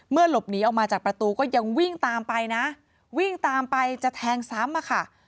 หลบหนีออกมาจากประตูก็ยังวิ่งตามไปนะวิ่งตามไปจะแทงซ้ำอะค่ะ